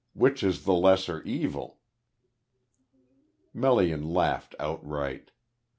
Which is the lesser evil?" Melian laughed outright.